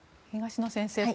東野先生